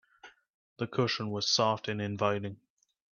The cushion was soft and inviting.